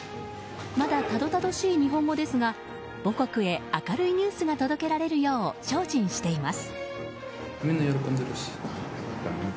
まだ、たどたどしい日本語ですが母国へ明るいニュースが届けられるよう、精進しています。